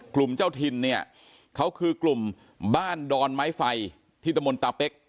เจ้าถิ่นเนี่ยเขาคือกลุ่มบ้านดอนไม้ไฟที่ตะมนตาเป๊ก